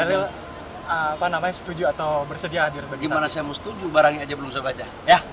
apa namanya setuju atau bersedia hadir bagi saya gimana saya mau setuju barangnya aja belum saya baca ya